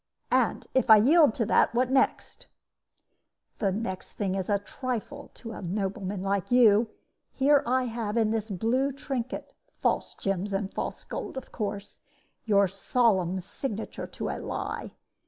"'And if I yield to that, what next?' "'The next thing is a trifle to a nobleman like you. Here I have, in this blue trinket (false gems and false gold, of course), your solemn signature to a lie.